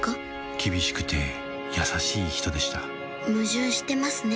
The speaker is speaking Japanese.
厳しくて優しい人でした矛盾してますね